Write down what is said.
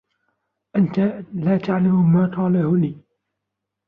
أنت لا تعلم ما قله لي.